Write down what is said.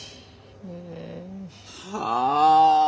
はあ！